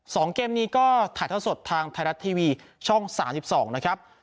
สองเกมนี้ก็ถ่ายเท่าสดทางไทยรัฐทีวีช่องสามสิบสองนะครับ